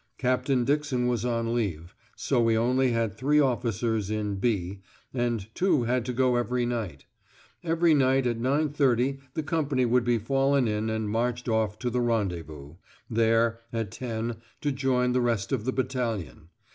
Captain Dixon was on leave, so we only had three officers in "B," and two had to go every night. Every night at 9.30 the company would be fallen in and marched off to the rendezvous, there, at 10.0, to join the rest of the battalion.